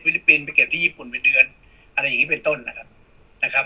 ลิปปินส์ไปเก็บที่ญี่ปุ่นเป็นเดือนอะไรอย่างนี้เป็นต้นนะครับนะครับ